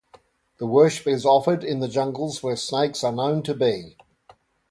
The worship is offered in the jungles where snakes are known to be.